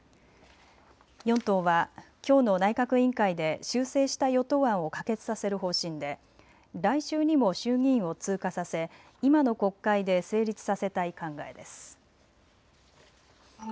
４党はきょうの内閣委員会で修正した与党案を可決させる方針で来週にも衆議院を通過させ今の国会で成立させたい考えです。